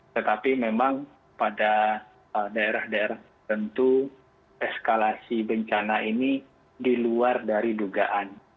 tetapi memang pada daerah daerah tentu eskalasi bencana ini diluar dari dugaan